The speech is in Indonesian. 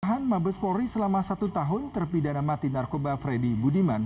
ditahan mabes polri selama satu tahun terpidana mati narkoba freddy budiman